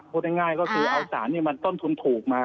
พูดง่ายก็คือเอาสารที่มันต้นทุนถูกมา